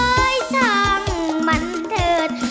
เอ๊ยช่างมันเถิด